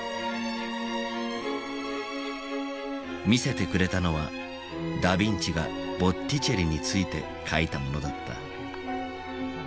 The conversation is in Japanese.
見せてくれたのはダ・ヴィンチがボッティチェリについて書いたものだった。